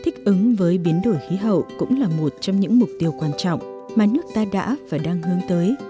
thích ứng với biến đổi khí hậu cũng là một trong những mục tiêu quan trọng mà nước ta đã và đang hướng tới